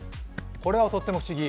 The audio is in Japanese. これはとっても不思議。